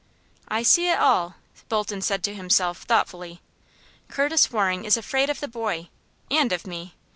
"I see it all," Bolton said to himself, thoughtfully. "Curtis Waring is afraid of the boy and of me.